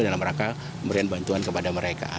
dan mereka memberikan bantuan kepada mereka